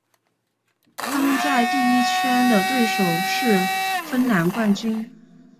他们在第一圈的对手是芬兰冠军。